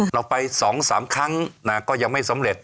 เราไป๒๓ครั้งก็ยังไม่สำเร็จ